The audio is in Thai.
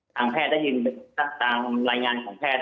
ทางแพทย์ได้ยินตามรายงานของแพทย์